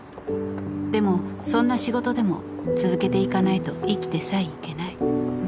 ［でもそんな仕事でも続けていかないと生きてさえいけない］